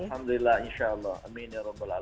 alhamdulillah insya allah amin ya rabbul alamin